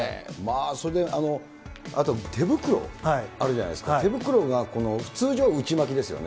それで、あと手袋あるじゃないですか、手袋が通常は内巻きですよね。